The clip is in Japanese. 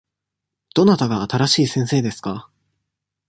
どなたが新しい先生ですか。